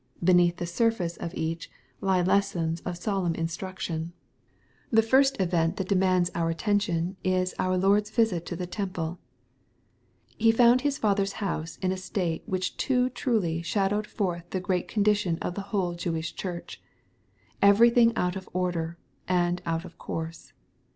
Beneath the surface of each^ lie lessons of solemn instruction. 268 EXPOSITORY THOUGHTS. The first event that demands our attention, is otif LorcFs visit to the temple. He found His Father's house in a state which too truly shadowed forth the general con dition of the whole Jewish church — everything out of order, and out of course.